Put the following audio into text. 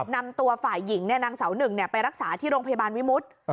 นำตัวฝ่ายหญิงนางสาวหนึ่งไปรักษาที่โรงพยาบาลวิมุติ